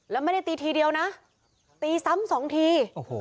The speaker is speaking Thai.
แล้วไม่ได้ตีทีเดียวนะตีซ้ำสองทีโอ้โห